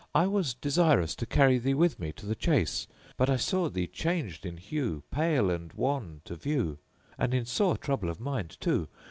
I was desirous to carry thee with me to the chase but I saw thee changed in hue, pale and wan to view, and in sore trouble of mind too.